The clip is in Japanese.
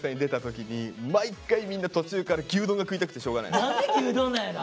確かに何で牛丼なんやろ？